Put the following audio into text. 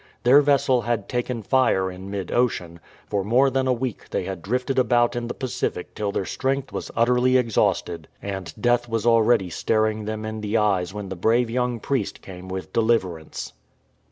Their vessel had taken fire in mid ocean ; for more than a week they had di ifted about in the Pacific till their strength was utterly exhausted ; and 300 KALAWAO death was already staring them in the eyes when the brave young priest came with deliverance.